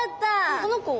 この子は？